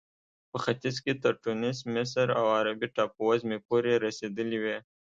په ختیځ کې تر ټونس، مصر او عربي ټاپو وزمې پورې رسېدلې وې.